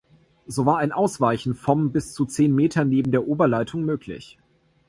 So war ein Ausweichen vom bis zu zehn Metern neben der Oberleitung möglich.